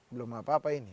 belum apa apa ini